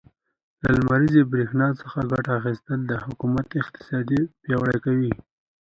له لمريزې برښنا څخه ګټه اخيستل, د حکومت اقتصاد پياوړی کوي.